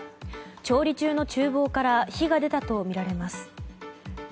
調理中の厨房から火が出たとみられます。